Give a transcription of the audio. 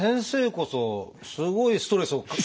先生こそすごいストレスを。